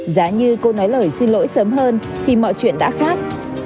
giá như cô nói lời xin lỗi sớm hơn khi mọi chuyện đã khác